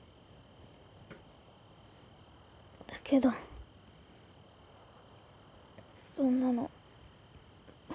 だけどそんなの僕。